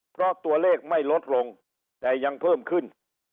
เพราะตัวเลขไม่ลดลงแต่ยังเพิ่มขึ้น